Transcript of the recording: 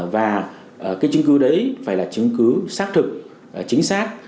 và cái chứng cứ đấy phải là chứng cứ xác thực chính xác